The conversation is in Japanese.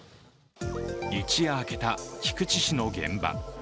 一夜明けた菊池市の現場。